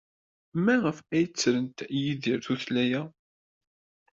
Maɣef ay ttrent Yidir tuttra-a?